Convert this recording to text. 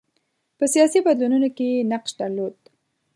په سیاسي بدلونونو کې یې نقش درلود.